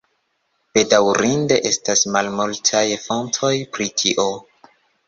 Bedaŭrinde estas malmultaj fontoj pri tio.